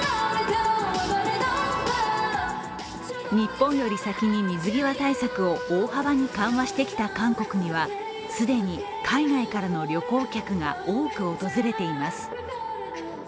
日本より先に水際対策を大幅に緩和してきた韓国には既に海外からの旅行客が多く訪れています。